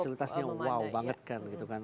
fasilitasnya wow banget kan